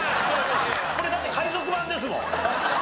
これだって海賊版ですもん。